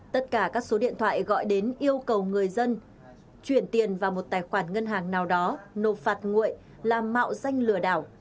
tất cả các số điện thoại gọi đến yêu cầu người dân chuyển tiền vào một tài khoản ngân hàng nào đó nộp phạt nguội làm mạo danh lừa đảo